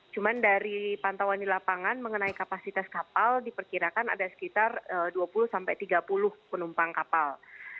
cuma dari pantauan di lapangan mengenai kapasitas kapal diperkirakan ada sekitar dua puluh tiga puluh penumpang kapal